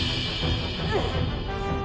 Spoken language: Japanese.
うっ。